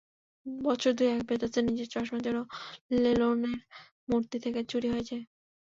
বছর দুই আগে পেদ্রাসার নিজের চশমাজোড়াও লেননের মূর্তি থেকে চুরি হয়ে যায়।